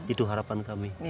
itu harapan kami